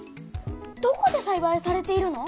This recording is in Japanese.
どこでさいばいされているの？